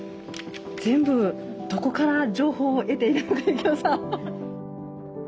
全部どこから情報を得ているのか幸士さん。